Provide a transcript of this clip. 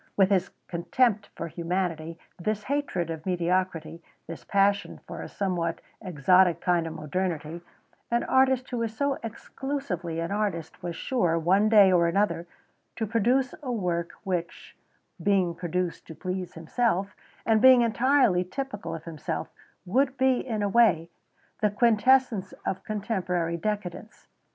With this contempt for humanity, this hatred of mediocrity, this passion for a somewhat exotic kind of modernity, an artist who is so exclusively an artist was sure, one day or another, to produce a work which, being produced to please himself, and being entirely typical of himself, would be, in a way, the quintessence of contemporary Decadence.